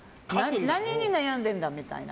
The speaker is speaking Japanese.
何に悩んでんだみたいな。